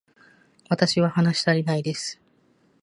私は話したりないです